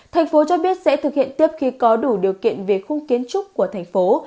thành phố cho biết sẽ thực hiện tiếp khi có đủ điều kiện về khung kiến trúc của thành phố